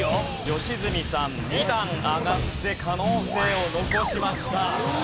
良純さん２段上がって可能性を残しました。